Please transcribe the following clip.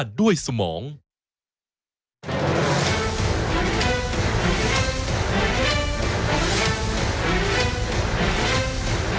ชูเวทตีแสงหน้า